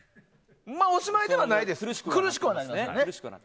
おしまいではないですが苦しくはなりますね。